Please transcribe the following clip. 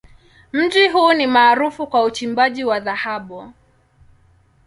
Mji huu ni maarufu kwa uchimbaji wa dhahabu.